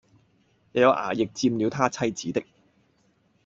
也有衙役佔了他妻子的，